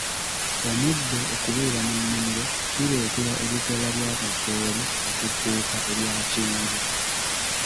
Omuddo okubeera mu nnimiro kireetera ebikoola bya kasooli okufuuka ebya kyenvu.